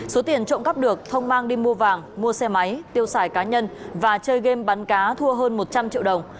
số tiền trộm cắp được thông mang đi mua vàng mua xe máy tiêu xài cá nhân và chơi game bắn cá thua hơn một trăm linh triệu đồng